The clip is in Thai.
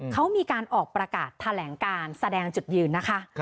เขามีการออกประกาศแสดงจุดยืนนะคะ